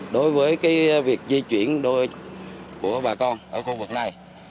đối với việc di chuyển của bà con ở khu vực này